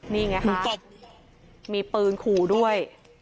นี่ไงมีปืนขู่ด้วย